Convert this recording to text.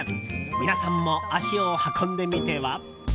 皆さんも足を運んでみては？